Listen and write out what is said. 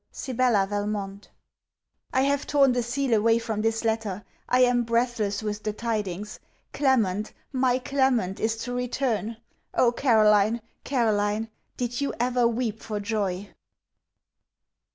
SIBELLA VALMONT I have torn the seal away from this letter! I am breathless with the tidings! Clement, my Clement, is to return! Oh, Caroline, Caroline, did you ever weep for joy?